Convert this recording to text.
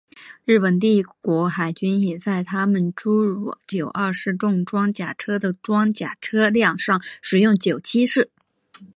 日本帝国海军也在他们诸如九二式重装甲车的装甲车辆上使用九七式。